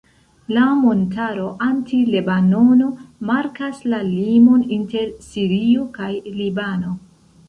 La montaro Anti-Lebanono markas la limon inter Sirio kaj Libano.